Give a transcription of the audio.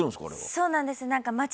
そうなんです。